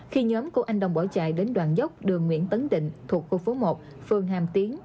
khi nhóm của anh đồng bỏ chạy đến đoạn dốc đường nguyễn tấn định thuộc khu phố một phường hàm tiến